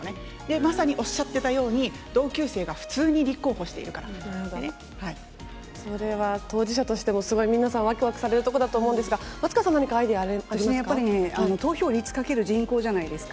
まさにおっしゃってたように、同級生が普通に立候補しているかそれは当事者としてもすごい皆さん、わくわくされるところだと思うんですが、松川さん、何かアイデアやっぱりね、投票率かける人口じゃないですか。